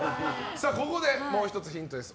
ここでもう１つヒントです。